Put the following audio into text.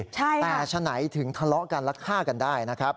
แต่ฉะไหนถึงทะเลาะกันและฆ่ากันได้นะครับ